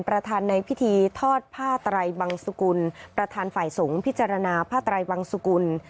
ประธานในพิธีทอดผ้าไตรบังสุกุลประธานฝ่ายสงฆ์พิจารณาผ้าไตรวังสุกุล